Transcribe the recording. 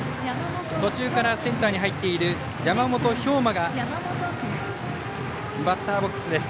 途中からセンターに入っている山本彪真がバッターボックスです。